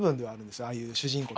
ああいう主人公。